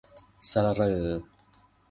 เสร่อ